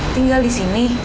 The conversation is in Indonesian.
tinggal di sini